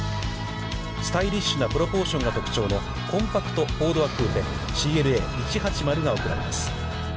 スタイリッシュなプロポーションが特徴のコンパクト４ドアクーペＣＬＡ１８０が贈られます。